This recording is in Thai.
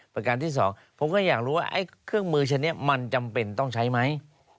ประการที่สองผมก็อยากรู้ว่าเครื่องมือชนิดมันจำเป็นต้องใช้ไหม